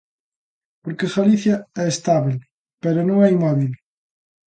Porque Galicia é estable pero non é inmóbil.